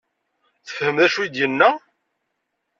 Tefhem d acu i d-yenna?